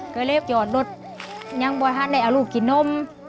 ก็เรียบจอดรถยังบอกท่านได้เอาลูกกินนม